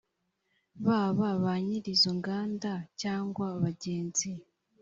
baba ba nyir izo nganda cyangwa bagenzi